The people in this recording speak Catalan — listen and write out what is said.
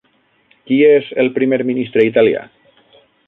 Qui és el primer ministre italià?